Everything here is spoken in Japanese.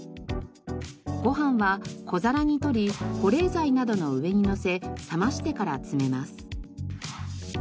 ご飯は小皿にとり保冷剤などの上にのせ冷ましてから詰めます。